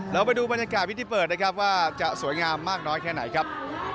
แล้วไปดูพิธีเปิดนะครับว่าจะสวยงามมากน้อยแค่ไหนครับ